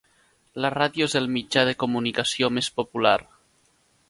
La ràdio és el mitjà de comunicació més popular.